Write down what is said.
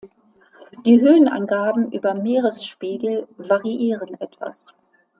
Die Höhenangaben über Meeresspiegel variieren etwas.